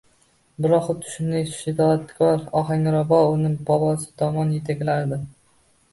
biroq xuddi shunday shiddatkor ohanrabo uni bobosi tomon yetaklardi.